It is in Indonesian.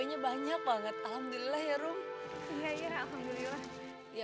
jangan lupa ya sama sama